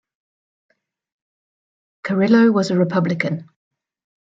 Carrillo was a Republican.